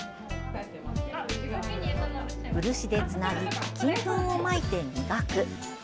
漆でつなぎ、金粉をまいて磨く。